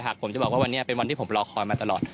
หากผมจะบอกว่าวันนี้เป็นวันที่ผมรอคอยมาตลอด